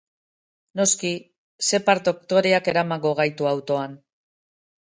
Noski, Sheppard doktoreak eramango gaitu autoan.